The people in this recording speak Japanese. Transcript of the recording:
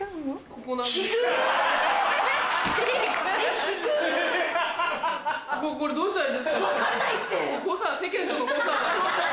これどうしたらいいですか？